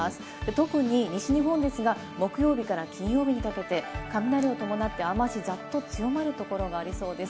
特に西日本ですが、木曜日から金曜日にかけて雷を伴って雨足、ざっと強まる所もありそうです。